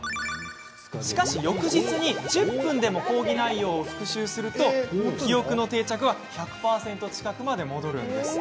しかし、翌日に１０分でも講義内容を復習すると記憶の定着は１００％近くまで戻ります。